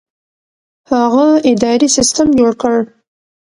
هغه اداري سیستم جوړ کړ.